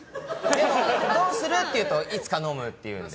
どうする？って言うといつか飲むって言うので。